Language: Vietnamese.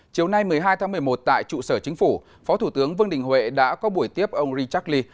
chiều nay một mươi hai tháng một mươi một tại trụ sở chính phủ phó thủ tướng vương đình huệ đã có buổi tiếp ông richard lee